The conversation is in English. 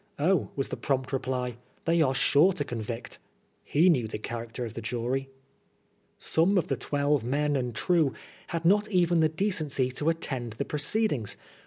"" Oh," was the prompt reply, " they are sure to con vict." He knew the character of the jury. Some of the " twelve men and true " had not even the decency to attend to the proceedings.